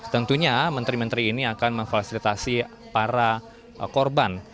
tentunya menteri menteri ini akan memfasilitasi para korban